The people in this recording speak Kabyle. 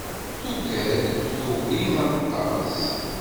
Tuggad tugi ad taẓ.